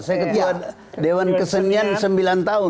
saya ketua dewan kesenian sembilan tahun